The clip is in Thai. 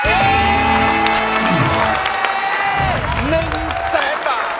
๑แสนบาท